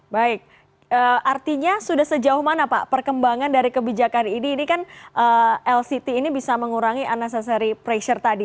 baik artinya sudah sejauh mana pak perkembangan dari kebijakan ini ini kan lct ini bisa mengurangi annecessary pressure tadi